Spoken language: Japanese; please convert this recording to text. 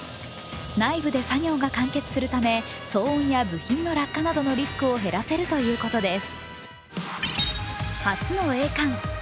内部で作業が完結するため騒音や部品の落下のリスクを減らせるということです。